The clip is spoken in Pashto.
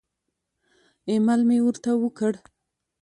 ایمیل مې ورته وکړ.